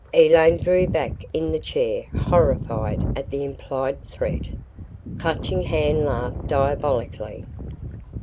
Elaine drew back in the chair, horrified, at the implied threat. Clutching Hand laughed, diabolically.